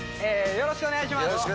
よろしくお願いします。